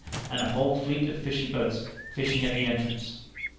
and a whole fleet of fishing boats fishing at the entrance.